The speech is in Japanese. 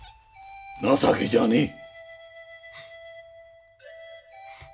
情けじゃねえ！